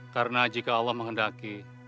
karena jika allah menghendaki